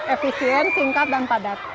efisien singkat dan berharga